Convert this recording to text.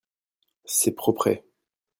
C'est propret.